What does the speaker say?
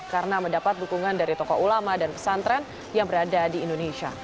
karena mendapat dukungan dari tokoh ulama dan pesantren yang berada di indonesia